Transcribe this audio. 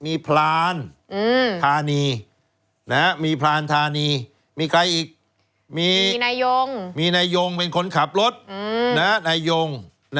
มีพรานธานีมีพรานธานีมีใครอีกมีนายมีนายยงเป็นคนขับรถนายยง